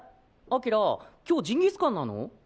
輝今日ジンギスカンなの？